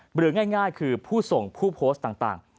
หรือง่ายคือผู้ส่งผู้โพสต์ต่าง